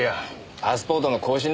パスポートの更新だろ？